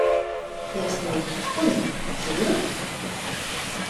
ya estoy. ¡ uy! ¿ seguro?